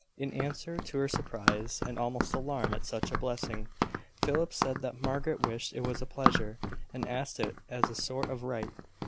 In answer to her surprise and almost alarm at such a blessing, Philip said that Margaret wished it as a pleasure, and asked it as a sort of right.